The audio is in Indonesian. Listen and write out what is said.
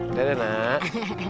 udah deh nak